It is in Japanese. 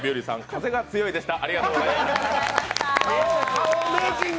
「風が強い」でした。